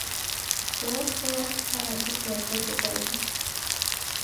هېواد ته وخت ته ارزښت ورکول پکار دي